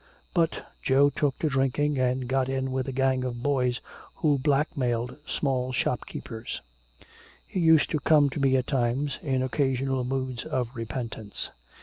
But Joe took to drinking and got in with a gang of boys who blackmailed small shopkeepers. He used to come to me at times in occasional moods of repentance.